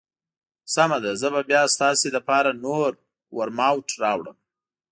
سمه ده، زه به بیا ستاسو لپاره نور ورماوټ راوړم.